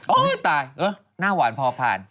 โอ๊ยตาลหน้าหวานพอพาล